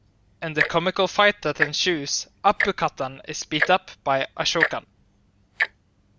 In the comical fight that ensues, Appukuttan is beaten up by Ashokan.